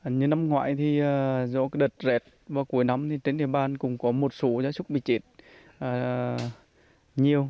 như năm ngoái do đợt rét cuối năm trên địa bàn cũng có một số giá súc bị chết nhiều